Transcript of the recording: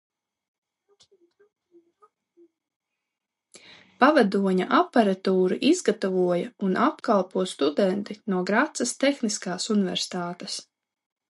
Pavadoņa aparatūru izgatavoja un apkalpo studenti no Gracas tehniskās universitātes.